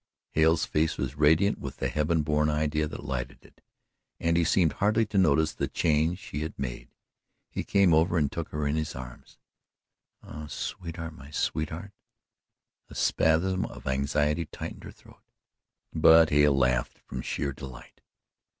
Hale's face was radiant with the heaven born idea that lighted it, and he seemed hardly to notice the change she had made. He came over and took her in his arms: "Ah, sweetheart, my sweetheart!" A spasm of anxiety tightened her throat, but Hale laughed from sheer delight.